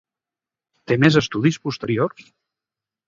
Té més estudis posteriors?